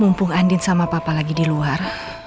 mumpung andin sama papa lagi di luar